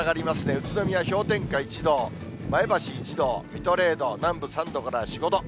宇都宮氷点下１度、前橋１度、水戸０度、南部３度から４、５度。